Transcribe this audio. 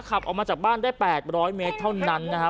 ขับออกมาจากบ้านได้๘๐๐เมตรเท่านั้นนะครับ